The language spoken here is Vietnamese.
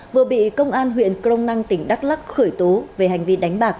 vừa bị công an huyện crong năng tỉnh đắk lắc khởi tố về hành vi đánh bạc